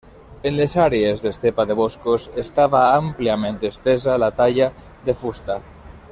En les àrees d'estepa de boscos estava àmpliament estesa la talla de fusta.